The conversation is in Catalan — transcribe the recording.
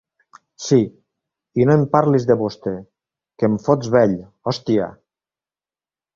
Sí, i no em parlis de vostè, que em fots vell, hòstia!